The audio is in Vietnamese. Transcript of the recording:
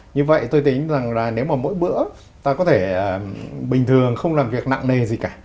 như vậy tôi tính rằng là nếu mà mỗi bữa ta có thể bình thường không làm việc nặng nề gì cả